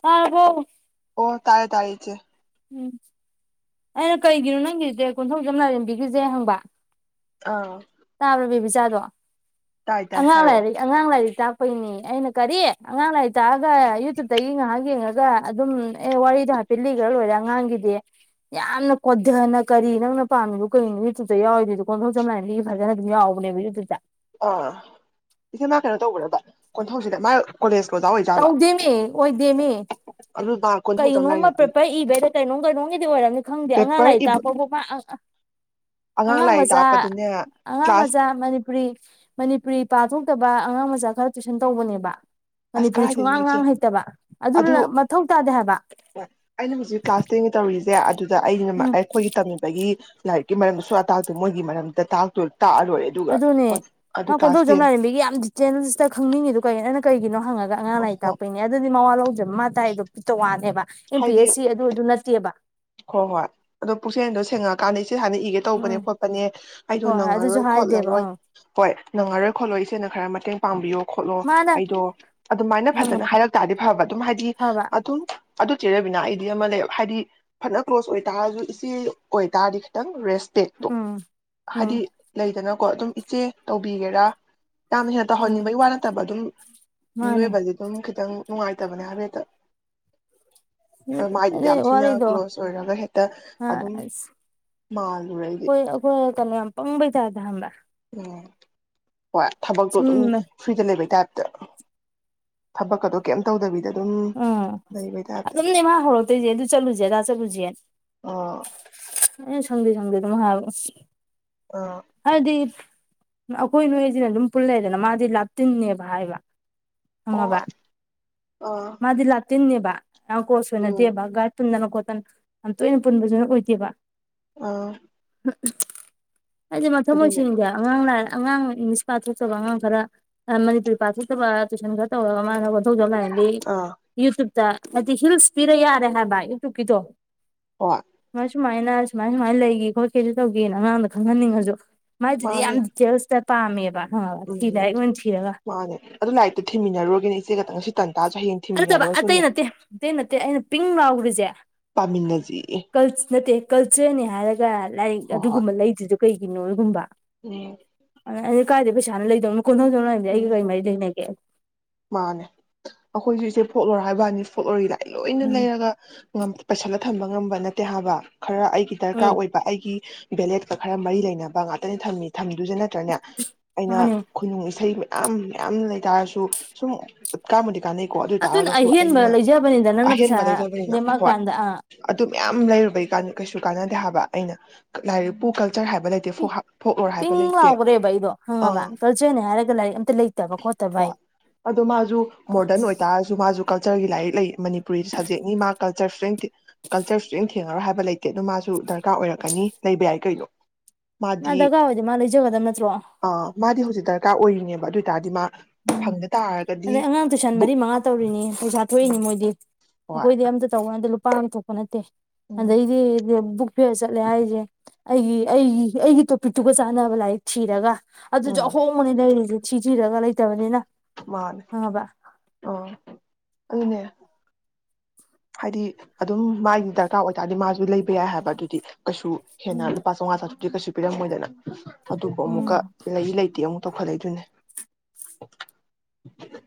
ꯇꯥꯔꯕꯣ ꯑꯣ ꯇꯥꯔꯦ ꯇꯥꯔꯦ ꯏꯆꯦ ꯑꯩꯅ ꯀꯔꯤꯒꯤꯅꯣ ꯅꯪꯒꯤꯖꯦ ꯀꯣꯟꯊꯧꯖꯝ ꯂꯥꯏꯔꯦꯝꯕꯤꯒꯤꯖꯦ ꯍꯪꯕ ꯑꯥ ꯇꯥꯕ꯭ꯔ ꯕꯦꯕꯤꯆꯥꯗꯣ ꯇꯥꯏ ꯇꯥꯏ ꯑꯉꯥꯡ ꯍꯥꯏꯔꯛꯑꯣ ꯂꯥꯏꯔꯤ ꯑꯉꯥꯡ ꯂꯥꯏꯔꯤꯛ ꯇꯥꯛꯄꯩꯅꯦꯌꯦ ꯑꯩꯅ ꯀꯔꯤ ꯑꯉꯥꯡ ꯂꯥꯏꯔꯤꯛ ꯇꯥꯛꯑꯒ ꯌꯨꯇꯨꯞꯇꯒꯤ ꯉꯥꯏꯍꯥꯛ ꯌꯦꯡꯉꯒ ꯑꯗꯨꯝ ꯑꯦ ꯋꯥꯔꯤꯗꯣ ꯍꯥꯏꯐꯦꯠ ꯂꯤꯒ꯭ꯔ ꯂꯣꯏꯔꯦ ꯑꯉꯥꯡꯒꯤꯗꯤ ꯌꯥꯝꯅ ꯀꯣꯟꯗꯅ ꯀꯔꯤ ꯅꯪꯅ ꯄꯥꯝꯃꯤꯕꯨ ꯀꯩꯅꯣ ꯌꯨꯇꯨꯞꯇ ꯌꯥꯎꯔꯤꯗꯣ ꯀꯣꯟꯊꯧꯖꯝ ꯂꯥꯏꯔꯦꯝꯕꯤꯒꯤ ꯐꯖꯟꯅ ꯑꯗꯨꯝ ꯌꯥꯎꯕꯅꯦꯕ ꯌꯨꯇꯨꯞꯇ ꯑꯥ ꯏꯆꯦ ꯃꯥ ꯀꯩꯅꯣ ꯇꯧꯕ꯭ꯔꯕ ꯀꯣꯟꯊꯧꯁꯤꯗ ꯃꯥ ꯀꯣꯂꯦꯖꯀꯤ ꯑꯣꯖꯥ ꯑꯣꯏꯔꯤꯖꯠꯂꯣ ꯇꯧꯗꯦꯃꯤ ꯑꯣꯏꯗꯦꯃꯤ ꯑꯗꯨꯗꯥ ꯀꯩꯅꯣꯝꯃ ꯄ꯭ꯔꯦꯄꯔ ꯏꯕꯩꯔ ꯀꯩꯅꯣꯝ ꯀꯩꯅꯣꯝꯒꯤꯗꯤ ꯑꯣꯏꯔꯝꯅꯤ ꯈꯪꯗꯦ ꯑꯉꯥꯡ ꯄꯦꯄꯔ ꯂꯥꯏꯔꯤꯛ ꯏꯕ ꯇꯥꯛꯄ ꯈꯣꯠꯄ ꯑꯑ ꯑꯉꯥꯡ ꯂꯥꯏꯔꯤꯛ ꯃꯆꯥ ꯇꯥꯛꯄꯗꯅꯦ ꯑꯉꯥꯡ ꯀ꯭ꯂꯥꯁ ꯃꯆꯥ ꯃꯅꯤꯞ ꯄꯨꯔꯤ ꯃꯅꯤꯄꯨꯔꯤ ꯄꯥ ꯊꯣꯛꯇꯕ ꯑꯉꯥꯡ ꯃꯆꯥ ꯈꯔ ꯇꯨꯏꯁꯟ ꯇꯧꯕꯅꯦꯕ ꯑꯁ ꯃꯅꯤꯄꯨꯔꯤ ꯀꯥꯏꯗꯩꯅꯣ ꯁꯨꯡꯉꯥꯡ ꯏꯆꯦ ꯉꯥꯡ ꯍꯩꯇꯕ ꯑꯗꯨ ꯑꯗꯨꯂ ꯃꯊꯧ ꯇꯥꯗꯦ ꯍꯥꯏꯕ ꯑꯩꯅ ꯃꯁꯤ ꯀ꯭ꯂꯥꯁ ꯇꯦꯟꯒꯤ ꯇꯧꯔꯤꯁꯖꯦ ꯑꯗꯨꯗ ꯑꯩ ꯎꯝ ꯑꯈꯣꯏꯒꯤ ꯇꯝꯃꯤꯕꯒꯤ ꯂꯥꯏꯔꯤꯛꯀꯤ ꯃꯔꯝꯗ ꯁꯨꯡꯇꯥꯛ ꯇꯥꯛꯇꯦ ꯃꯣꯏꯒꯤ ꯃꯔꯝꯗ ꯇꯥꯛꯇꯣ ꯇꯥꯛꯑ ꯂꯣꯏꯔꯦ ꯑꯗꯨꯒ ꯑꯗꯨꯅꯦ ꯑꯗꯨ ꯃꯥ ꯀ꯭ꯂꯥꯁ ꯀꯣꯟꯗꯧꯖꯝ ꯇꯦꯟ ꯂꯥꯏꯔꯦꯝꯕꯤꯒꯤ ꯌꯥꯝꯗꯤ ꯆꯦꯝꯁꯇ ꯈꯪꯅꯤꯡꯉꯤꯗꯣ ꯀꯩꯅꯣ ꯑꯩꯅ ꯀꯩꯒꯤꯅꯣ ꯍꯪꯉꯒ ꯑꯉꯥꯡ ꯂꯥꯏꯔꯤꯛ ꯑꯣ ꯇꯥꯛꯄꯩꯅꯩ ꯌꯦ ꯑꯗꯨꯗꯤ ꯃꯋꯥ ꯂꯧꯗ꯭ꯔꯦꯕ ꯃꯥ ꯇꯥꯛꯏꯗꯨ ꯇꯣꯉꯥꯟꯅꯦꯕ ꯑꯦꯝ ꯄꯤ ꯑꯦꯁ ꯁꯤ ꯑꯗꯨ ꯑꯗꯨ ꯅꯠꯇꯦꯕ ꯍꯣ ꯍꯣꯏ ꯑꯗꯣ ꯄꯨꯛꯆꯦꯟꯗꯣ ꯁꯦꯡꯉꯛꯑꯀꯥꯟꯗ ꯏꯁꯦ ꯍꯟꯅ ꯏꯒꯦ ꯇꯧꯕꯅꯦ ꯎꯝ ꯈꯣꯠꯄꯅꯦ ꯑꯩꯗꯣ ꯍꯣꯏ ꯍꯣꯏ ꯑꯗꯨꯁꯨ ꯅꯪꯉꯔꯣꯏ ꯍꯥꯏꯗꯦꯕ ꯈꯣꯠꯂꯔꯣꯏ ꯑꯥ ꯍꯣꯏ ꯅꯪꯉꯔꯣꯏ ꯈꯣꯠꯂꯣꯏ ꯏꯆꯦꯅ ꯈꯔ ꯃꯇꯦꯡ ꯄꯥꯡꯕꯤꯌꯣ ꯈꯣꯠꯂꯣ ꯃꯥꯅ ꯑꯩꯗꯣ ꯑꯗꯨꯃꯥꯏꯅ ꯎꯝ ꯐꯖꯟꯅ ꯍꯥꯏꯔꯛꯇ ꯑꯣꯏꯗꯤ ꯐꯕ ꯑꯗꯨꯝ ꯍꯥꯏꯗꯤ ꯐꯕ ꯑꯗꯨꯝ ꯑꯗꯨ ꯆꯦꯔꯕꯤꯅꯥ ꯑꯩꯗꯤ ꯑꯃ ꯂꯩꯕ ꯍꯥꯏꯗꯤ ꯐꯅ ꯀ꯭ꯂꯣꯁ ꯑꯣꯏꯇꯥꯔꯁꯨ ꯏꯆꯦ ꯑꯣꯏꯇꯥꯔꯗꯤ ꯈꯤꯇꯪ ꯔꯦꯁ ꯇꯦꯛꯇꯣ ꯎꯝ ꯍꯥꯏꯗꯤ ꯎꯝ ꯂꯩꯗꯅꯀꯣ ꯑꯗꯨꯝ ꯏꯆꯦ ꯇꯧꯕꯤꯒꯦꯔꯥ ꯌꯥꯝ ꯍꯦꯟꯅ ꯎꯝ ꯇꯧꯍꯟꯅꯤꯡꯕꯒꯤ ꯋꯥ ꯅꯠꯇꯕ ꯑꯗꯨꯝ ꯃꯥꯅꯦ ꯃꯤꯑꯣꯏꯕ ꯑꯗꯨꯝ ꯈꯤꯇꯪ ꯅꯨꯡꯉꯥꯏꯇꯕꯅꯦ ꯍꯥꯏꯐꯦꯠꯇ ꯃꯥꯏꯗꯨꯗꯤ ꯑꯗꯨꯏ ꯌꯥꯝ ꯊꯤꯅ ꯋꯥꯔꯤꯗꯣ ꯀ꯭ꯂꯣꯁ ꯑꯣꯏꯔꯒ ꯍꯦꯛꯇ ꯑꯁ ꯑꯗꯨꯝ ꯃꯥꯜꯂꯨꯔꯦ ꯑꯩꯗꯤ ꯍ ꯀꯄꯪꯕ ꯊꯗ ꯍ ꯎꯝ ꯍꯣꯏ ꯊꯕꯛꯇꯣ ꯑꯗꯨꯝ ꯁꯨꯝ ꯁ꯭ꯨꯗ ꯂꯩꯕꯩ ꯇꯥꯏꯞꯇ ꯊꯕꯛꯀꯗꯣ ꯀꯩꯝ ꯇꯧꯗꯕꯤꯗ ꯑꯗꯨꯝ ꯎꯝ ꯂꯩꯕꯩ ꯇꯥꯏꯞꯇ ꯑꯗꯨꯝꯅꯦꯃꯥ ꯍꯧꯔꯛꯇꯣꯏꯁꯦ ꯑꯗꯨ ꯆꯠꯂꯨꯁꯦ ꯑꯗꯥ ꯆꯠꯂꯨꯁꯦꯅ ꯑ ꯑꯦ ꯁꯟꯗꯤ ꯁꯟꯗꯤꯗ ꯃꯍ ꯑ ꯍꯥꯏꯕꯗꯤ ꯑꯩꯈꯣꯏ ꯅꯣꯏꯁꯤꯅ ꯑꯗꯨꯝ ꯄꯨꯜꯂꯗꯅ ꯃꯥꯗꯤ ꯂꯥꯞꯇꯤꯟꯅꯦꯕ ꯍꯥꯏꯕ ꯈꯪꯉꯕ ꯑꯣ ꯑ ꯃꯥꯗꯤ ꯂꯥꯛꯇꯤꯟꯅꯤꯦꯕ ꯌꯥꯝ ꯀꯣꯁ ꯑꯣꯏꯅꯗꯦꯕ ꯄꯨꯟꯗꯅ ꯈꯣꯠꯇꯅ ꯌꯥꯝ ꯇꯣꯏꯅ ꯄꯨꯟꯕꯁꯨꯅ ꯑꯣꯏꯗꯦꯕ ꯑꯥ ꯍꯥꯏꯗꯤ ꯃꯊꯪ ꯑꯗꯨꯅꯦ ꯑꯣꯏꯣꯏꯁꯤꯡꯗꯦ ꯑꯉꯥꯡ ꯂ ꯑꯉꯥꯡ ꯏꯪꯂꯤꯁ ꯄꯥꯊꯣꯛꯆꯕ ꯑꯉꯥꯡ ꯈꯔ ꯃꯅꯤꯄꯨꯔꯤ ꯄꯥꯊꯣꯛꯆꯕ ꯇꯨꯏꯁꯟ ꯈꯔ ꯇꯧꯔꯒ ꯃꯥꯅ ꯑꯣꯊꯧꯖ ꯂꯥꯏꯔꯟꯕꯤ ꯑꯥ ꯌꯨꯇ꯭ꯨꯞꯇ ꯍꯥꯏꯗꯤ ꯍꯤꯜꯁ ꯄꯤꯔ ꯌꯥꯔꯦ ꯍꯥꯏꯕ ꯌꯨꯇꯨꯕꯀꯤꯗꯣ ꯑꯣ ꯃ ꯁꯨꯃꯥꯏꯅ ꯁꯨꯃꯥꯏ ꯁꯨꯃꯥꯏꯅ ꯂꯩꯒꯦ ꯈꯣꯠꯀꯦꯁꯨ ꯇꯧꯒꯦꯅ ꯑꯉꯥꯡꯗ ꯈꯪꯍꯟꯅꯤꯡꯉꯁꯨ ꯃꯥꯏꯗꯨꯗꯤ ꯃꯥꯅꯦ ꯌꯥꯝ ꯗꯤꯇꯦꯜꯁꯇ ꯄꯥꯝꯃꯦꯕ ꯍ ꯎꯝ ꯊꯤ ꯂꯥꯏꯔꯤꯛ ꯂ ꯊꯤꯔꯒ ꯃꯥꯅꯦ ꯑꯗꯨ ꯂꯥꯏꯔꯤꯛꯇ ꯊꯤꯃꯤꯟꯅꯔꯒꯅꯤ ꯏꯆꯦꯛꯇ ꯉ ꯑꯁꯤ ꯇꯟꯇꯥꯖꯁꯨ ꯍꯌꯦ ꯑ ꯆꯕ ꯑꯇꯩ ꯅꯠꯇꯦ ꯑꯇꯩ ꯅꯠꯇꯦ ꯑꯩꯅ ꯄꯤꯡ ꯂꯥꯎꯈꯔꯤꯁꯦ ꯄꯥꯃꯤꯟꯅꯁꯤ ꯜ ꯅꯠꯇꯦ ꯀꯜꯆꯔꯅꯦ ꯍꯥꯏꯔꯒ ꯂꯥꯏꯔꯤꯛ ꯑꯗꯨꯒꯨꯝꯕ ꯂꯩꯗ꯭ꯗꯤ ꯀꯩꯒꯤꯅꯣ ꯑꯗꯨꯒꯒꯨꯝꯕ ꯑꯣ ꯑ ꯀꯥꯏꯗꯦ ꯄꯩꯁꯥꯅ ꯂꯩꯗꯧꯅꯣ ꯀꯣꯟꯍꯧꯗꯧꯅꯣ ꯍꯥꯏꯝꯗꯤ ꯎꯝ ꯑꯩꯒ ꯀꯔꯤꯃꯔꯤ ꯂꯩꯅꯒꯦ ꯃꯥꯅꯦ ꯑꯩꯈꯣꯏꯁꯨ ꯏꯆꯦ ꯐꯣꯛꯂꯣꯔ ꯍꯥꯏꯕꯅꯤ ꯐꯣꯛꯂꯣꯔ ꯏ ꯂꯥꯏ ꯂꯣꯏꯅ ꯎꯝ ꯂꯩꯔꯒ ꯄꯩꯁꯜꯂ ꯊꯝꯕ ꯉꯝꯕ ꯅꯠꯇꯦ ꯍꯥꯏꯕ ꯈꯔ ꯑꯩꯒꯤ ꯗꯔꯀꯥꯔ ꯎꯝ ꯑꯣꯏꯕ ꯑꯩꯒꯤ ꯚꯦꯂꯦꯠꯀ ꯈꯔ ꯃꯔꯤ ꯂꯩꯅꯕ ꯉꯇꯅꯦ ꯊꯝꯃꯤ ꯊꯝꯗꯨꯁ ꯅꯠꯇ꯭ꯔꯅꯦ ꯑꯩꯅ ꯃꯥꯅꯦ ꯈꯨꯅꯨꯡ ꯏꯁꯩ ꯃꯌꯥꯝ ꯃꯌꯥꯝ ꯂꯩꯇꯥꯔꯁꯨ ꯁꯨꯝ ꯀꯥꯡꯕꯨꯗꯤ ꯀꯥꯟꯅꯩꯀꯣ ꯑꯗꯨ ꯑꯣꯏ ꯑꯗꯨꯅ ꯇꯥꯔꯒꯁꯨ ꯑꯍꯦꯟꯕ ꯑꯩꯅ ꯂꯩꯖꯕꯅꯤꯗ ꯅꯪꯅ ꯄꯩꯁꯥ ꯑꯍꯦꯟꯕ ꯂꯩꯖꯕꯅꯤꯅ ꯍꯣꯏ ꯂꯦꯝꯃꯛꯑꯀꯥꯟꯗ ꯑꯥ ꯑꯗꯨ ꯃꯌꯥꯝ ꯂꯩꯔꯨꯕꯩ ꯀꯩꯁꯨ ꯀꯥꯟꯅꯗꯦ ꯍꯥꯏꯕ ꯑꯩꯅ ꯂꯥꯏꯔꯤꯛꯄꯨ ꯀꯜꯆꯔ ꯍꯥꯏꯕ ꯂꯩꯇ ꯄ ꯄꯤꯡ ꯂꯥꯎꯕ꯭ꯔꯦꯕ ꯑꯩꯗꯣ ꯍꯪꯉꯕ ꯑꯥ ꯀꯜꯆꯔꯅꯦ ꯍꯥꯏꯔꯒ ꯂꯥꯏꯔꯤꯛ ꯑꯝꯇ ꯂꯩꯇꯕ ꯈꯣꯠꯇꯕ ꯑꯩ ꯍꯣꯏ ꯑꯗꯣ ꯃꯥꯁꯨ ꯃꯣꯗꯔꯟ ꯑꯣꯏ ꯑꯣꯏ ꯇꯥꯔꯁꯨ ꯃꯥꯁꯨ ꯀꯜꯆꯔꯒꯤ ꯂꯥꯏꯔꯤꯛ ꯂꯩ ꯃꯅꯤꯄꯨꯔꯤ ꯁꯞꯖꯦꯛꯅꯤ ꯃꯥ ꯀꯜꯆꯔꯁꯨ ꯂꯩꯇꯦ ꯀꯜꯆꯔꯁꯨꯦꯡ ꯊꯦꯡꯉꯔꯣꯏ ꯍꯥꯏꯕ ꯂꯩꯇꯦ ꯑꯗꯣ ꯃꯥꯁꯨ ꯗꯔꯀꯥꯔ ꯑꯣꯏꯔꯛꯀꯅꯤ ꯂꯩꯕ ꯌꯥꯏ ꯀꯩꯗꯣ ꯃꯥ ꯗꯒꯥ ꯑꯣꯏꯗꯤ ꯃꯥ ꯂꯩꯖꯒ ꯑꯗꯨꯝ ꯅꯠꯇ꯭ꯔꯣ ꯑꯥ ꯃꯥꯗꯤ ꯍꯧꯖꯤꯛ ꯗꯔꯀꯥꯔ ꯑꯣꯏꯔꯤꯅꯦꯕ ꯑꯗꯨ ꯑꯣꯏ ꯇꯔꯗꯤ ꯃꯥ ꯎꯝ ꯐꯪꯗ ꯇꯥꯔꯒꯗꯤ ꯑꯗꯩ ꯑꯉꯥꯡ ꯇꯨꯏꯁꯟ ꯕꯨꯛ ꯃꯔꯤ ꯃꯉꯥ ꯇꯧꯔꯤꯅꯤ ꯄꯩꯁꯥ ꯊꯣꯛꯏꯅꯤ ꯃꯣꯏꯗꯤ ꯍꯣꯏ ꯑꯩꯈꯣꯏꯗꯤ ꯌꯥꯝ ꯑ ꯇꯧꯗ ꯂꯨꯄꯥꯊꯣꯛꯄ ꯅꯠꯇꯦ ꯎꯝ ꯑꯗꯩꯗꯤꯕꯨ ꯐꯤꯌꯔ ꯆꯠꯂꯦ ꯍꯥꯏꯁꯦ ꯑꯩꯒꯤ ꯑꯩꯒꯤ ꯑꯩꯒꯤ ꯇꯣꯄꯤꯛꯇꯨꯒ ꯆꯥꯟꯅꯕ ꯂꯥꯏꯔꯤꯛ ꯊꯤꯔꯒ ꯑꯗꯨꯁꯨ ꯎꯝ ꯑꯍꯣꯡꯕꯅꯤ ꯂꯩꯔꯤꯁꯦ ꯊꯤꯖꯤꯔꯒ ꯂꯩꯇꯕꯅꯤꯅ ꯃꯥꯅꯦ ꯈꯪꯉꯕ ꯑ ꯑꯗꯨꯅꯦ [unintelligible] ꯍꯥꯏꯗꯤ ꯑꯗꯨꯝ ꯃꯥꯒꯤ ꯗꯔꯀꯥꯔ ꯑꯣꯏꯇꯥꯔꯗꯤ ꯃꯥꯁꯨ ꯂꯩꯕ ꯌꯥꯏ ꯍꯥꯏꯕ ꯑꯗꯨꯗꯤ ꯀꯩꯁꯨ ꯎꯝ ꯍꯦꯟꯅ ꯂꯨꯄꯥ ꯆꯥꯡꯉꯥ ꯆꯥꯇꯔꯨꯛꯇꯤ ꯀꯩꯁꯨ ꯄꯤꯔꯝꯃꯣꯏꯗꯅ ꯑꯗꯨꯕꯨ ꯎꯝ ꯑꯃꯨꯛꯀ ꯂꯩ ꯂꯩꯇꯦ ꯑꯃꯨꯛ ꯇꯧꯈꯠꯂꯛꯏꯗꯨꯅꯤ [unintelligible]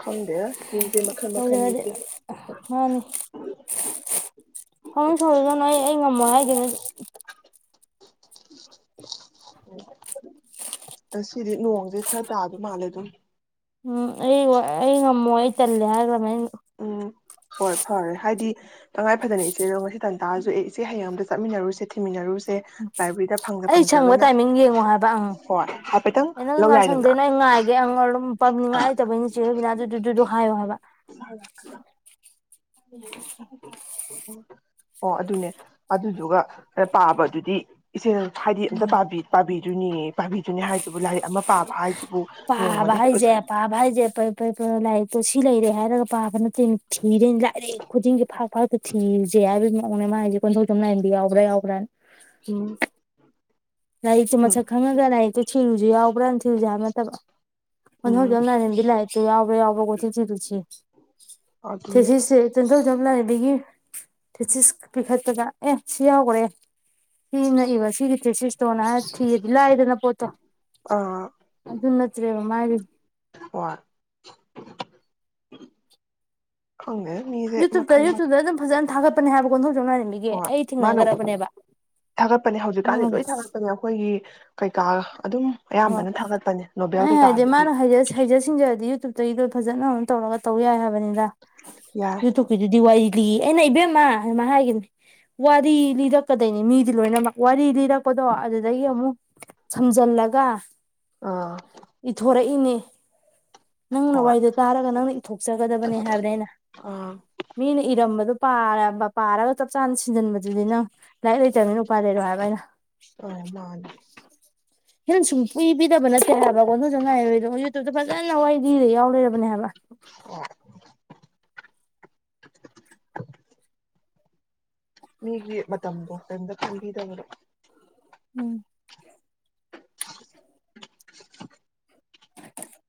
ꯈꯪꯗꯦꯗ ꯃꯤꯁꯦ ꯃꯈꯟ-ꯃꯈꯟꯅꯤ [inaudible] ꯇꯧꯖꯔꯗꯤ ꯃꯥꯅꯤ ꯁꯥꯎꯅꯤꯡ-ꯁꯥꯎꯖꯥꯖꯅꯨ ꯑꯩ-ꯑꯩ ꯉꯝꯃꯣꯏ ꯍꯥꯏꯒꯤꯃꯤ ꯑꯗꯨꯝ ꯎ ꯉꯁꯤꯗꯤ ꯅꯣꯡꯁꯦ ꯈꯔ ꯇꯥꯗꯨꯝ ꯃꯥꯜꯂꯦ ꯑꯗꯨꯝ ꯎꯝ ꯑꯩ-ꯑꯩ ꯉꯝꯃꯣ ꯑꯩ ꯇꯜꯂꯦ ꯍꯥꯏꯈꯒꯔꯃ‌ꯦ ꯎꯝ ꯍꯣꯏ ꯐꯔꯦ ꯍꯥꯏꯗꯤ ꯇꯉꯥꯏ ꯐꯗꯅ ꯏꯆꯦꯗꯣ ꯉꯁꯤ ꯇꯟꯇꯥꯥꯔꯁꯨ ꯑ‌ꯦ ꯏꯆꯦ ꯍꯌꯦꯡ ꯑꯝꯇ ꯆꯠꯃꯤꯟꯅꯔꯨꯁ‌ꯦ ꯊꯤꯃꯤꯟꯅꯔꯨꯁꯦ ꯂꯥꯏꯕ꯭ꯔꯦꯔꯤꯗ ꯑꯩ ꯁꯪꯕ ꯐꯪꯗ-ꯐꯪꯗ꯭ꯔꯒꯅ ꯀ‌ꯣ ꯍꯥꯏꯐꯦꯠꯇꯪ ꯑ‌ꯦ ꯅꯪ ꯀꯔꯝ ꯂꯧ ꯀꯥꯟ ꯌꯥꯏꯗꯅ ꯁꯪꯗ‌‌ꯣꯏꯅ‌ꯣ ꯑꯩ ꯉꯥꯏꯒꯦ [unintelligible] ꯄꯝꯅꯤꯡꯉꯥꯏ ꯂꯩꯇꯕꯩꯩꯅ ꯆ‌ꯦ ꯔꯨꯕꯤꯅꯥꯗꯨ ꯑꯗꯨ ꯗꯨ ꯗꯨ ꯍꯥꯏꯌꯣ ꯍꯥꯏꯕ [unintelligible] [unintelligible] ꯑꯣ ꯑꯗꯨꯅꯦ ꯑꯗꯨꯗꯨꯒ ꯈꯔ ꯄꯥꯕꯗꯨꯗꯤ ꯏꯆꯦ ꯍꯥꯏꯗꯤ ꯑꯝꯇ ꯄꯥꯕꯤ-ꯄꯥꯕꯤꯗꯨꯣꯏꯅꯦꯌ‌ꯦ ꯄꯥꯕꯤꯗꯨꯅꯦ ꯍꯥꯏꯁꯤꯕꯨ ꯂꯥꯏꯔꯤꯛ ꯑꯃ ꯄꯥꯕ ꯍꯥꯏꯖꯤꯕꯨ ꯄꯥꯕ ꯍꯥꯏꯖꯦ ꯄꯥꯕ ꯍꯥꯏꯖꯦ ꯂꯥꯏꯔꯤꯛꯇꯣ ꯁꯤ ꯂꯩꯔꯦ ꯍꯥꯏꯔꯒ ꯄꯥꯕ ꯅꯠꯇꯦ ꯊꯤꯗ‌ꯣꯏꯅꯤ ꯂꯥꯏꯔꯤꯛ ꯈꯨꯗꯤꯡꯒꯤ ꯐꯥꯛ [unintelligible] ꯊꯤꯔꯨꯖ‌ꯦ ꯍꯥꯏꯕꯩ ꯃ‌ꯑꯣꯡꯅ‌ꯦ ꯃꯥꯅ ꯍꯥꯏꯖ‌ꯦ ꯀꯣꯟꯊꯩꯖꯝ ꯂꯥꯏꯔ‌ꯦꯝꯕꯤ ꯌꯥꯎꯕ꯭ꯔꯥ-ꯌꯥꯎꯕ꯭ꯔꯥꯅ ꯎꯝ ꯂꯥꯏꯔꯤꯛꯇꯨ ꯎꯝ ꯃꯁꯛ ꯈꯪꯉꯒ ꯂꯥꯏꯔꯤꯛꯇꯣ ꯊꯤꯔꯨꯖꯤ ꯌꯥꯎꯕ꯭ꯔꯥ ꯊꯤꯔꯨꯁꯡꯖꯤ ꯍꯥꯏꯕ ꯅꯠꯇꯕ ꯎꯝ ꯀ‌ꯣꯟꯊꯧꯖꯝ ꯂꯥꯏꯔ‌ꯦꯝꯕꯤ ꯂꯥꯏꯔꯤꯛꯇꯨ ꯌꯥꯎꯕ꯭ꯔ-ꯌꯥꯎꯕ꯭ꯔ ꯀ‌ꯣꯏꯊꯤ ꯊꯤꯔꯨꯖꯤ ꯑꯗꯨꯅꯦ ꯊꯤꯖꯤꯁꯁꯦ ꯀ‌ꯣꯟꯊꯧꯖꯝ ꯂꯥꯏꯔ‌ꯦꯝꯕꯤꯒꯤ ꯊꯤꯖꯤꯁ ꯄꯤꯈꯠꯄꯗ ꯑꯦ ꯁꯤ ꯌꯥꯎꯒ꯭ꯔꯦ ꯃꯤ ꯑꯃꯅ ꯏꯕ ꯁꯤꯒꯤ ꯇ꯭ꯔꯤꯁꯤꯁ ꯗꯨꯝꯃꯥꯏꯅ ꯊꯤꯔꯗꯤ ꯂꯥꯏꯗꯅ ꯄꯣꯠꯇꯣ ꯑꯗꯨ ꯅꯠꯇ꯭ꯔꯦꯕ ꯃꯥꯏꯗꯤ ꯍ‌ꯣꯏ ꯈꯪꯗ‌ꯦꯗ ꯃꯤ ꯌꯨꯇꯨꯞꯇ-ꯌꯨꯇꯨꯞꯇ ꯑꯗꯨꯝ ꯐꯖꯅ ꯊꯥꯒꯠꯄꯅ‌ꯦ ꯍꯥꯏꯕ ꯀꯣꯟꯊꯧꯖꯝ ꯂꯥꯏꯔ‌ꯦꯟꯕꯤꯒꯤ ꯍꯣꯏ ꯃꯥꯅ ꯊꯥꯒꯠꯄꯅꯦ ꯍꯧꯖꯤꯛꯀꯥꯟꯗꯤ ꯎꯝ ꯂꯣꯏꯅ ꯊꯥꯒꯠꯄꯅꯦ ꯑꯈꯣꯏꯒꯤ ꯀꯩꯀꯥ ꯑꯗꯨꯝ ꯍꯣꯏ ꯑꯌꯥꯝꯕꯅ ꯊꯥꯒꯠꯄꯅꯦ ꯅꯣꯕꯦꯜ ꯑꯩ ꯍꯥꯏꯗꯤ ꯀꯩꯀꯥꯗꯒꯤ ꯃꯥꯅ ꯍꯩꯖ ꯁꯤꯡꯖꯔꯗꯤ ꯌꯨꯇꯨꯞꯇꯩꯗ ꯐꯖꯅ ꯇꯧꯔꯒ ꯇꯧꯌꯥꯏ ꯍꯥꯏꯕꯅꯤꯗ ꯌꯥꯏ ꯌꯨꯇꯨꯞ ꯗꯨꯗꯤ ꯋꯥꯔꯤ ꯂꯤꯌꯦ ꯑꯩꯅ ꯏꯕꯦꯝꯃ ꯑꯗꯨꯃꯥꯏ ꯍꯥꯏꯒꯤꯕꯅꯤ ꯋꯥꯔꯤ ꯂꯤꯔꯛꯀꯗꯣꯏꯅꯤ ꯃꯤꯗꯤ ꯂꯣꯏꯅꯃꯛ ꯋꯥꯔꯤ ꯂꯤꯔꯛꯄꯗꯣ ꯑꯗꯨꯗꯒꯤ ꯑꯃꯨꯛ ꯁꯝꯖꯜꯂꯒ ꯑꯥ ꯏꯊꯣꯔꯛꯏꯅꯤ ꯅꯪꯅ ꯍꯣꯏ ꯋꯥꯔꯤꯗ‌ꯣ ꯇꯥꯔꯒ ꯅꯪꯅ ꯏꯊꯣꯛꯆꯒꯗꯕꯅ‌ꯦ ꯍꯥꯏꯕꯅꯦ ꯑꯩꯅ ꯑꯥ ꯃꯤꯅ ꯏꯔꯝꯕꯗ‌ꯣ ꯄꯥꯔꯒ ꯆꯞ ꯆꯥꯅ ꯁꯤꯟꯖꯟꯕꯗꯨꯅꯤ ꯅꯪ ꯂꯥꯏꯔꯤꯛ ꯂꯩꯇꯕꯅꯤꯅ ꯎꯄꯥ ꯂꯩꯔꯣꯏ ꯍꯥꯏꯕ ꯑꯩꯅ ꯑ‌ꯣꯏ ꯃꯥꯅꯤ ꯍꯤꯟꯅ ꯁꯨꯡꯄꯤ-ꯄꯤꯗꯕ ꯅꯠꯇꯦ ꯍꯥꯏꯕ‌ ꯀꯣꯟꯊꯧꯖꯝ ꯂꯥꯏꯔ‌ꯦꯝꯕꯤꯗ‌ꯣ ꯌꯨꯇꯨꯞꯇ ꯐꯖꯅ ꯋꯥꯔꯤ ꯂꯤꯔ ꯌꯥꯎ ꯂꯩꯔꯕꯅꯦ ꯍꯥꯏꯕ ꯑꯣ ꯃꯤꯒꯤ ꯃꯇꯝꯗꯣ ꯀ꯭ꯔꯤꯝꯇ ꯈꯟꯕꯤꯗꯕꯗ‌ꯣ ꯎꯝ [unintelligible]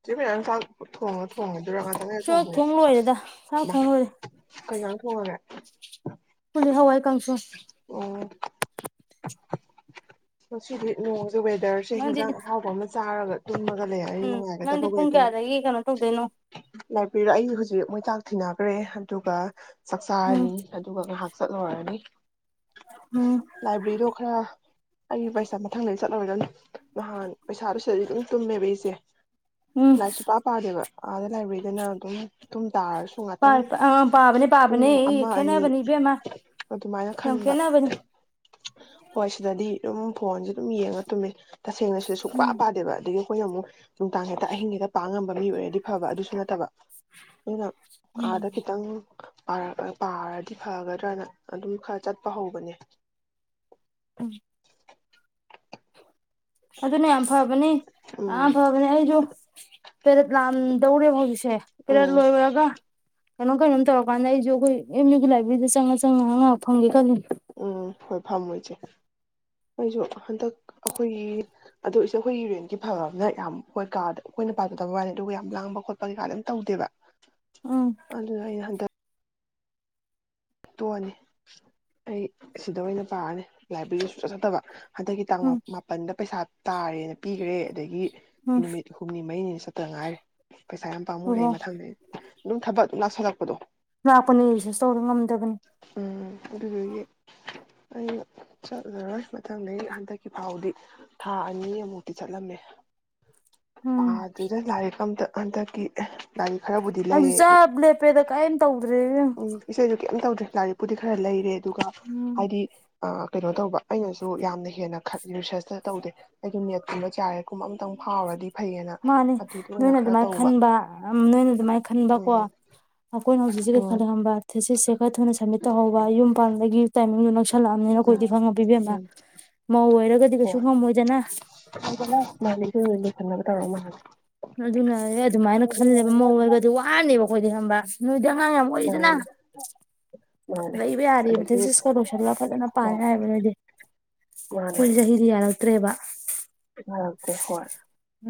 ꯆ‌ꯦ ꯕꯤꯅ ꯅꯪ ꯆꯥꯛ ꯊꯣꯡꯉ ꯊꯣꯡꯒꯤꯗ‌ꯣꯏꯔ‌ꯣ ꯉꯥꯇꯪ ꯂꯩꯔ ꯆꯥꯛ ꯊꯣꯡ ꯊꯣꯡꯗ‌ꯣꯏꯔ‌ꯣ ꯂꯣꯏꯔꯦꯗ ꯆꯥꯛ ꯏꯃꯥ ꯊꯣꯡ ꯂꯣꯏꯔꯦ ꯀꯩ ꯖꯥꯡ ꯊꯣꯡꯉꯒꯦ ꯈ‌ꯣꯏꯗꯤ ꯍꯋꯥꯏ ꯀꯥꯡꯁꯣꯏ ꯑꯣ ꯉꯁꯤꯗꯤ ꯅꯣꯡꯖ‌ꯦ ꯋꯦꯗꯔ ꯁꯦ ꯅꯪꯗꯤ ꯍꯤꯟꯖꯥꯡ ꯑꯍꯥꯎꯕ ꯑꯃ ꯆꯥꯔꯒ ꯇꯨꯝꯃꯒ ꯂꯩꯔꯗꯤ ꯎꯝ ꯅꯪꯗꯤ ꯅꯨꯡꯉꯥꯏꯒꯗꯕꯒꯤ ꯄꯨꯡ ꯋ‌ꯦꯗꯔꯅꯤ ꯀꯌꯥꯗꯒꯤ ꯀꯩꯅꯣ ꯇꯧꯗꯣꯏꯅꯣ ꯂꯥꯛꯄꯤꯔꯣ ꯑꯩ ꯍꯧꯖꯤꯛ ꯃꯣꯏ ꯆꯥꯛ ꯊꯤꯟꯅꯒ꯭ꯔꯦ ꯑꯗꯨꯒ ꯎꯝ ꯆꯥꯛꯆꯥꯔꯅꯤ ꯑꯗꯨꯒ ꯉꯥꯏꯍꯥꯛ ꯆꯠꯂꯨꯔꯅꯤ ꯎꯝ ꯂꯥꯏꯕ꯭ꯔꯤꯗꯣ ꯈꯔ ꯑꯩꯒꯤ ꯄꯩꯁꯥ ꯃꯊꯪꯗ ꯆꯠꯂꯔꯣꯏꯗꯅꯦ ꯅꯍꯥꯟ ꯄꯩꯁꯥꯗꯨ ꯁꯤꯗꯗꯤ ꯑꯗꯨꯝ ꯇꯨꯝꯃꯦꯕ ꯑꯩꯁꯦ ꯎꯝ ꯂꯥꯏꯔꯤꯛ ꯁꯨꯄꯥ ꯄꯥꯗꯦꯕ ꯑꯥꯗ ꯂꯥꯏꯕ꯭ꯔꯦꯔꯤꯗꯅ ꯑꯗꯨꯝ ꯇꯨꯝ ꯇꯥꯔꯁꯨ ꯉꯥꯛꯇꯪ ꯑꯥ ꯄꯥꯕꯅꯦ ꯄꯨꯡ ꯄꯥꯕꯅꯦ ꯑꯃ ꯑꯅꯤ ꯈꯦꯠꯅꯕꯅꯤ ꯏꯕꯦꯝꯃ ꯑꯗꯨꯃꯥꯏꯅ ꯌꯥꯝ ꯈꯟꯕ ꯈꯦꯠꯅꯕꯅꯤ ꯍꯣꯏ ꯁꯤꯗꯗꯤ ꯑꯗꯨꯝ ꯐꯣꯟꯁꯦ ꯑꯗꯨꯝ ꯌꯦꯡꯉ ꯇꯨꯝꯃꯦ ꯇꯁꯦꯡꯅꯁꯨ ꯁꯨꯨꯡꯄꯥ ꯎꯝ ꯄꯥꯗꯦꯕ ꯑꯗꯨꯒꯤ ꯑꯩꯈꯣꯏꯅ ꯑꯃꯨꯛ ꯅꯨꯡꯗꯥꯡ ꯍꯦꯛꯇ ꯑꯍꯤꯡ ꯍꯦꯛꯇ ꯄꯥ ꯉꯝꯕ ꯃꯤ ꯑꯣꯏꯔꯗꯤ ꯐꯕ ꯑꯗꯨꯁꯨ ꯅꯠꯇꯕ ꯑꯗꯨꯅ ꯑꯥꯗ ꯈꯤꯇꯪ ꯄꯥꯔꯗꯤ ꯐꯒꯗ꯭ꯔꯅ ꯑꯗꯨꯝ ꯈꯔ ꯆꯠꯄ ꯍꯧꯕꯅꯦ ꯎꯝ ꯑꯗꯨꯅꯦ ꯌꯥꯝ ꯐꯕꯅꯤ ꯎꯝ ꯌꯥꯝ ꯐꯕꯅꯤ ꯑꯩꯁꯨ ꯄꯦꯔꯦꯠ ꯂꯥꯟꯗꯧꯔꯦ ꯍꯧꯥꯎꯖꯤꯁꯦ ꯄꯦꯔꯦꯠ ꯎꯝ ꯂꯣꯏꯕꯔꯒ ꯀꯩꯅꯣ ꯀꯩꯅꯣ ꯇꯧꯔꯀꯥꯟꯗ ꯑꯩꯁꯨ ꯑꯩꯈꯣꯏ ꯑꯦꯝ ꯌꯨꯒꯤꯥꯏꯕ꯭ꯔꯦꯔꯤꯗ ꯆꯪꯉꯒ ꯆꯪꯉ ꯉꯥꯏꯥꯛ ꯐꯪꯒꯦ ꯈꯜꯂꯤ ꯎꯝ ꯍꯣꯏ ꯐꯝꯃꯣꯏ ꯏꯆꯦ ꯑꯩꯁꯨ ꯍꯟꯗꯛ ꯑꯩꯈꯣꯏꯒꯤ ꯑꯗꯨꯗꯣꯁꯨꯦ ꯑꯩꯈꯣꯏꯒꯤꯨꯔꯦꯟꯒꯤ ꯐꯕ ꯑꯃꯅ ꯌꯥꯝ ꯍꯣꯏ ꯀꯥꯗ ꯑꯩꯈꯣꯏꯅ ꯄꯥꯖꯗꯕ ꯋꯥꯏꯅꯦ ꯑꯗꯨꯒ ꯌꯥꯝ ꯂꯥꯡꯕ ꯈꯣꯠꯄꯩ ꯀꯥꯗ ꯑꯗꯨꯝ ꯇꯧꯗꯦꯕ ꯎꯝ ꯑꯗꯨ ꯑꯩꯅꯗ ꯇꯣꯛꯑꯅꯤ ꯑꯩ ꯁꯤꯗ ꯑꯣꯏꯅ ꯄꯥꯔꯅꯤ ꯂꯥꯏꯕ꯭ꯔꯦꯔꯤꯁꯨ ꯆꯠ ꯆꯠꯇꯕ ꯍꯟꯗꯛꯀꯤ ꯇꯥꯡ ꯎꯝ ꯃꯥꯄꯟꯗ ꯄꯩꯁꯥ ꯇꯥꯔꯦꯅ ꯄꯤꯈꯔꯦ ꯑꯗꯒꯤ ꯎꯝ ꯅꯨꯃꯤꯠ ꯍꯨꯝꯅꯤ ꯃꯔꯤꯅꯤꯅꯤ ꯆꯠꯇ ꯉꯥꯏꯔꯦ ꯄꯩꯁꯥ ꯌꯥꯝ ꯄꯥꯝꯃꯨꯔꯛ ꯍꯣꯍꯣ ꯑꯩ ꯃꯊꯪꯗ ꯑꯗꯨꯝ ꯊꯕꯛ ꯂꯁꯜꯂꯛꯄꯗꯣ ꯂꯥꯛꯄꯅꯤꯔꯤꯁꯦꯁ ꯇꯧꯔ ꯉꯝꯗꯕꯅꯤ ꯎꯝ ꯑꯗꯨ ꯑꯩꯅ ꯆꯠꯂꯔꯣꯏ ꯃꯊꯪꯗ ꯍꯟꯗꯛꯀꯤ ꯐꯥꯎꯗꯤ ꯊꯥ ꯑꯅꯤ ꯑꯃꯃꯨꯛꯇꯤ ꯆꯠꯂꯝꯃꯦ ꯑ ꯎꯝ ꯑꯗꯨꯗ ꯂꯥꯏꯔꯤ ꯑꯇ ꯍꯟꯗꯛꯀꯤ ꯂꯥꯏꯔꯤꯛ ꯈꯔꯕꯨꯗꯤ ꯑꯩꯁꯨ ꯂꯩꯔꯦ ꯆꯥꯕ ꯂꯦꯞꯄꯦꯗ ꯀꯥꯏꯝ ꯇꯧꯗ꯭ꯔꯦ ꯎꯝ ꯏꯁꯩꯁꯨ ꯀꯩꯝ ꯇꯧꯗ꯭ꯔꯦ ꯂꯥꯏꯔꯤꯛꯄꯨꯗꯤ ꯈꯔ ꯂꯩꯔꯦ ꯑꯗꯨꯒ ꯎꯝ ꯍꯥꯏꯗꯤ ꯀꯩꯅꯣ ꯇꯧꯕ ꯑꯩꯅꯁꯨ ꯌꯥꯝꯅ ꯍꯦꯟꯅ ꯔꯤꯁꯔꯁꯇ ꯇꯧꯗꯦ ꯑꯩꯒꯤ ꯃꯦꯠ ꯀꯨꯝꯕ ꯆꯥꯔꯦ ꯀꯨꯝꯕ ꯑꯃꯝꯇꯪ ꯐꯥꯎꯔꯗꯤ ꯐꯩꯌꯦꯅ ꯃꯥꯅꯦ ꯑꯗꯨꯗ ꯑꯣꯏꯅ ꯅꯣꯏꯅ ꯈꯔ ꯑꯗꯨꯃꯥꯏꯅ ꯇꯧꯕ ꯈꯟꯕ ꯅꯣꯏꯅ ꯑꯗꯨꯃꯥꯏꯅ ꯈꯟꯕ ꯀꯣ ꯎꯝ ꯑꯩꯈꯣꯏꯅ ꯍꯧꯖꯤꯛꯁꯦ ꯀꯩ ꯎꯝ ꯈꯜꯂꯤ ꯈꯕ ꯊꯦꯆꯠꯁꯦ ꯈꯔ ꯊꯨꯅ ꯁꯃꯤꯠ ꯇꯧꯍꯧꯕ ꯌꯨꯝ ꯄꯥꯟꯕꯗꯒꯤ ꯇꯥꯏꯃꯤꯡꯗꯣ ꯅꯛꯁꯜꯂꯛꯑꯕꯅꯤꯅ ꯎꯝ ꯑꯩꯈꯣꯏꯗꯤ ꯈꯪꯉ ꯄꯤꯕꯤ ꯑꯃꯅ ꯎꯝ ꯃꯧ ꯑꯣꯏꯔꯒꯗꯤ ꯀꯩꯁꯨ ꯉꯝꯃꯣꯏꯗꯅ ꯀ ꯀꯅ ꯃꯥꯅꯤ ꯂꯩꯅꯕ ꯇꯧꯔ ꯃꯥꯦ ꯑꯗꯨ ꯑꯗꯨꯅ ꯑꯗꯨꯃꯥꯏꯅ ꯈꯜꯂꯦꯕ ꯃꯧꯡ ꯑꯣꯏꯕꯗꯤ ꯋꯥꯔꯅꯦꯕ ꯑꯩꯈꯣꯏꯗꯤ ꯍꯪꯕ ꯅꯣꯏꯗꯤ ꯑꯉꯥꯡ ꯌꯥꯝ ꯑꯣꯏꯔꯤꯗꯅ ꯃꯥꯅꯦ ꯃꯥꯅꯦ ꯂꯩꯕ ꯌꯥꯔꯤꯕꯅꯦ ꯑꯗꯒꯤ ꯁꯤꯁ ꯀꯔꯣꯁꯟꯂ ꯐꯖꯅ ꯄꯥꯅꯤ ꯍꯣꯏ ꯍꯥꯏꯕ ꯅꯣꯏꯗꯤ ꯃꯥꯅꯦ ꯑꯩꯈꯣꯏꯖꯍꯤꯗꯤ ꯌꯥꯔꯛꯇ꯭ꯔꯦꯕ ꯉ ꯍꯣꯏ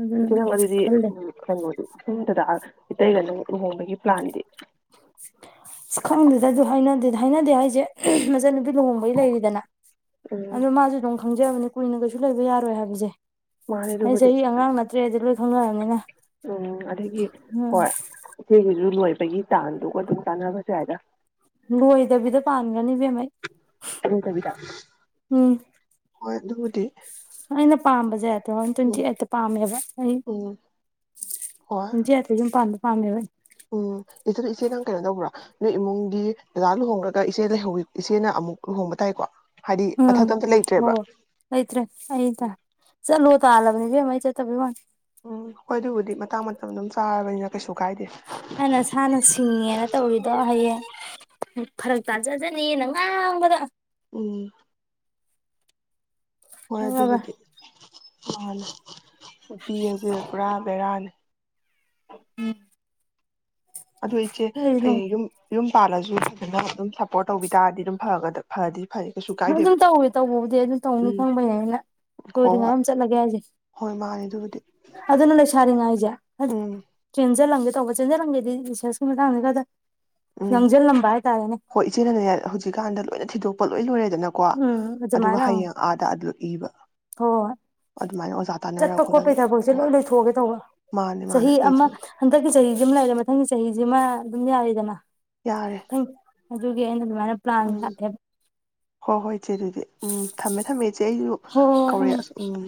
ꯑꯗꯨꯅ ꯏꯅꯪ ꯑꯗꯨ ꯑꯗꯨꯗꯤ ꯈꯜꯂꯦ ꯀꯩꯅꯣꯗꯤ ꯁꯨꯝꯗꯨꯗ ꯏꯇꯩꯒ ꯑꯗꯨꯝ ꯂꯨꯍꯣꯡꯕꯒꯤ ꯄ꯭ꯂꯥꯟꯗꯤ ꯑꯁ ꯈꯪꯗꯦꯗ ꯑꯗꯨ ꯍꯥꯏꯅꯗꯦ ꯍꯥꯏꯅꯗꯦ ꯍꯥꯏꯁꯦ ꯃꯆꯟꯅꯨꯄꯤ ꯂꯨꯍꯣꯡꯕꯒꯤ ꯂꯩꯔꯤꯗꯅ ꯑ ꯎꯝ ꯃꯥ ꯣꯡ ꯈꯪꯖꯕꯅꯦ ꯀꯨꯏꯅ ꯀꯩꯁꯨ ꯂꯩꯕ ꯌꯥꯔꯣꯏ ꯍꯥꯏꯕꯁꯦ ꯃꯥꯅꯦ ꯑꯩ ꯑꯗꯨꯕꯨꯗꯤ ꯆꯍꯤ ꯑꯉꯥꯡ ꯅꯠꯇ꯭ꯔꯦꯗꯤ ꯂꯣꯏ ꯈꯪꯅꯔꯕꯅꯤꯅ ꯎꯝ ꯑꯗꯒꯤ ꯎꯝ ꯍꯣꯏ ꯏꯆꯦꯒꯤꯁꯨ ꯂꯣꯏꯕꯒꯤ ꯇꯥꯟꯗꯨꯒ ꯑꯗꯨꯝ ꯀꯥꯟꯅꯕꯁꯨ ꯌꯥ ꯍꯥꯏꯏꯗ ꯂꯒꯣꯣꯏꯗꯕꯤꯗ ꯄꯒꯅꯤ ꯐ ꯀꯕꯤꯗ ꯑꯩꯅ ꯄꯥꯝꯕꯁꯦꯠꯇꯇ ꯎꯝ ꯆꯤ ꯍꯛꯇ ꯄꯥꯝꯃꯦꯕ ꯑꯩ ꯎꯝ ꯍꯣꯏ ꯖꯤꯇꯝ ꯄꯥꯟꯗ ꯄꯥꯃꯦꯕ ꯎꯝ ꯏꯆꯗ ꯏꯆꯦ ꯅꯪ ꯀꯩꯅꯣ ꯇꯧꯕ꯭ꯔꯣ ꯅꯣꯏ ꯏꯃꯨꯡꯗꯤ ꯗꯖꯥ ꯂꯨꯍꯣꯡꯈ꯭ꯔꯒ ꯏꯆꯦꯍꯤ ꯏꯆꯦꯅ ꯑꯃꯨꯛ ꯂꯨꯍꯣꯡꯕ ꯇꯥꯏꯀꯣ ꯍꯥꯏꯗꯤ ꯃꯊꯛꯇ ꯎꯝ ꯑꯝꯇ ꯂꯩꯇ꯭ꯔꯦꯕ ꯍ ꯂꯩꯇ꯭ꯔꯦ ꯑꯩ ꯆꯠꯂꯣ ꯇꯥꯜꯂꯕꯅꯦ ꯦꯝꯃ ꯑꯩ ꯆꯠꯇꯕꯤꯩ ꯋꯥꯅꯤ ꯎꯝ ꯍꯣꯏ ꯑꯗꯨꯕꯨꯗꯤ ꯃꯇꯥꯡ ꯃꯇꯝ ꯑꯗꯨꯝ ꯆꯥꯔꯕꯅꯤꯅ ꯀꯩꯁꯨ ꯀꯥꯏꯗꯦ ꯑꯅ ꯁꯅ ꯁꯤꯅꯤꯅ ꯇꯧꯔꯤꯗ ꯍꯌꯦꯡ ꯐꯔꯛ ꯇꯥꯖꯗꯅꯤꯌꯦꯅ ꯉꯥꯡꯕꯗ ꯎꯝ ꯍꯣꯏ ꯈꯪꯉꯕ ꯑꯗꯨꯕꯨꯗꯤ ꯃꯥꯅꯤ ꯅꯨꯄꯤ ꯑꯁꯦ ꯄꯨꯔꯥ ꯕꯦꯔꯥꯅꯤ ꯑ ꯑꯗꯨ ꯏꯆꯦ ꯍ ꯌꯨꯝ ꯌꯨꯝ ꯄꯥꯜꯂꯁꯨ ꯐꯖꯅ ꯑꯗꯨꯝ ꯁꯞꯄꯣꯔꯠ ꯇꯧꯕꯤ ꯇꯥꯔꯗꯤ ꯑꯗꯨꯝ ꯐꯒꯗꯕ ꯑꯗꯨꯝ ꯇꯧꯋꯦ ꯇꯧꯕꯕꯨꯗꯤ ꯑꯗꯨꯝ ꯇꯧꯅꯤ ꯎꯝ ꯈꯪꯕꯅꯦ ꯑꯩꯅ ꯍꯣꯏ ꯀꯣꯏꯗꯉꯥꯏ ꯍꯣꯏ ꯑꯃ ꯆꯠꯂꯒꯦ ꯍꯥꯏꯁꯦ ꯍꯣꯏ ꯃꯥꯅꯦ ꯑꯗꯨꯕꯨꯗꯤ ꯑꯗꯨꯅ ꯁꯔꯤ ꯉꯥꯏꯖ ꯎꯝ ꯆꯦꯟꯁꯤꯜꯂꯝꯒꯦ ꯇꯧꯕ ꯆꯦꯟꯖꯜꯂꯝꯒꯦꯗꯤ ꯔꯤꯁꯔꯁꯀꯤ ꯃꯇꯥꯡꯗ ꯈꯔꯗ ꯎꯝ ꯌꯥꯡꯁꯤꯜꯂꯝꯕ ꯍꯥꯏꯇꯥꯔꯦꯅꯦ ꯍꯣꯏ ꯏꯆꯦꯟꯅꯅꯏ ꯍꯧꯖꯤꯛꯀꯥꯟꯗ ꯂꯣꯏꯅ ꯊꯤꯗꯣꯛꯄ ꯂꯣꯏ ꯂꯣꯏꯔꯦꯗꯅ ꯀꯣ ꯎꯝ ꯑꯗꯨꯒ ꯑꯗꯨꯃꯥꯏꯅ ꯎꯝ ꯍꯌꯦꯡ ꯑꯥꯗ ꯑꯗꯨꯣ ꯏꯕ ꯍꯣꯏ ꯍꯣꯏ ꯑꯗꯨꯃꯥꯏꯅ ꯑꯣꯖꯥ ꯇꯥꯟꯅꯔ ꯆꯠꯄ ꯈꯣꯠꯄꯩ ꯈꯣꯠꯂꯒ ꯊꯕꯛꯁꯦ ꯍ ꯂꯣꯏ ꯂꯣꯏꯊꯣꯛꯑꯒꯦ ꯇꯧꯕ ꯃꯥꯅꯦ ꯆꯍꯤ ꯃꯥꯅꯦ ꯑꯃ ꯂꯣꯏꯊꯣꯛꯑꯦ ꯍꯟꯗꯛꯀꯤ ꯆꯍꯤꯁꯤ ꯑꯃ ꯂꯩꯔꯦ ꯃꯊꯪꯒꯤ ꯆꯍꯤꯁꯤꯃ ꯑꯗꯨꯝ ꯌꯥꯔꯤꯗꯅ ꯌꯥꯔꯦ ꯎꯝ ꯑꯗꯨꯒꯤ ꯑꯩꯅ ꯑꯗꯨꯃꯥꯏꯅ ꯄ꯭ꯂꯥꯟ ꯎꯝ ꯂꯥꯛꯂꯦꯕ ꯍꯣꯏ ꯍꯣꯏ ꯏꯆꯦ ꯑꯗꯨꯗꯤ ꯎꯝ ꯊꯝꯃꯦ ꯊꯝꯃꯦ ꯏꯆꯦ ꯑꯩꯁꯨ ꯍ ꯎ ꯀꯧꯔꯛꯑꯦ ꯎꯝ